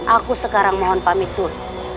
aku sekarang mohon pamit dulu